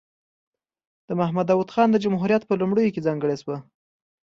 د محمد داود خان د جمهوریت په لومړیو کې ځانګړې شوه.